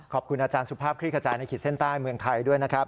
ขอบคุณอาจารย์สุภาพคลี่ขจายในขีดเส้นใต้เมืองไทยด้วยนะครับ